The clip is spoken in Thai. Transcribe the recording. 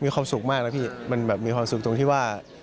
มีความสุขมากนะพี่มันแบบมีความสุขตรงที่ว่า